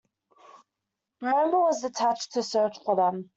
"Bramble" was detached to search for them.